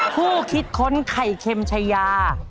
ผู้คิดค้นไข่เค็มเฉยา